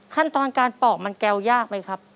ขั้นตอนการปอกมันแก้วยากไหมครับ